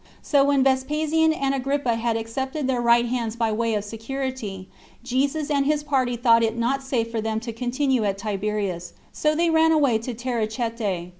So when Vespasian and Agrippa had accepted of their right hands by way of security, Jesus and his party thought it not safe for them to continue at Tiberias, so they ran away to Taricheae.